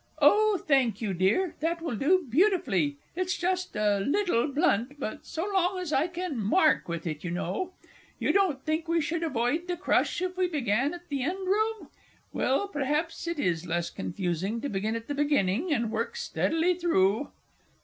Oh, thank you, dear, that will do beautifully. It's just a little blunt; but so long as I can mark with it, you know. You don't think we should avoid the crush if we began at the end room? Well, perhaps it is less confusing to begin at the beginning, and work steadily through.